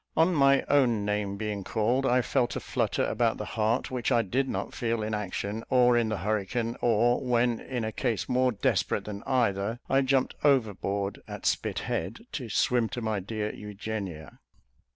On my own name being called, I felt a flutter about the heart which I did not feel in action, or in the hurricane, or when, in a case more desperate than either, I jumped overboard at Spithead, to swim to my dear Eugenia.